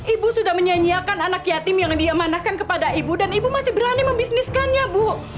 ibu sudah menyanyiakan anak yatim yang diamanahkan kepada ibu dan ibu masih berani membisniskannya bu